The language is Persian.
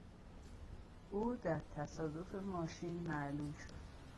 او در تصادف ماشین معلول شد.